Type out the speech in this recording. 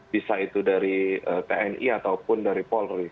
bisa itu dari tni ataupun dari polri